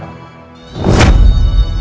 memang tidak bisa diandalkan gusti prabu